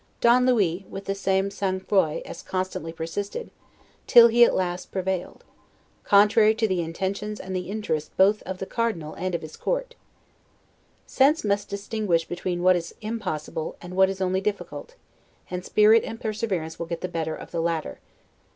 Don Louis, with the same 'sang froid', as constantly persisted, till he at last prevailed: contrary to the intentions and the interest both of the Cardinal and of his Court. Sense must distinguish between what is impossible, and what is only difficult; and spirit and perseverance will get the better of the latter.